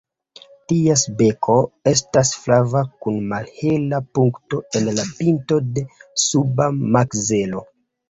Ties beko estas flava kun malhela punkto en la pinto de suba makzelo.